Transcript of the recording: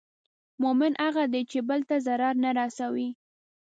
مؤمن هغه دی چې بل ته ضرر نه رسوي.